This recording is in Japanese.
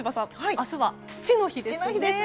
明日は父の日ですね。